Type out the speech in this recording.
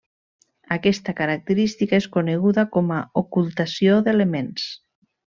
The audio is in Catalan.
Aquesta característica és coneguda com a ocultació d'elements.